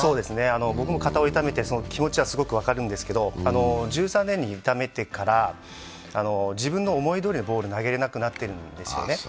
僕も肩を傷めて気持ちは分かるんですけど１３年に傷めてから、自分の思うどおりのボールを投げられなくなってるんですよね。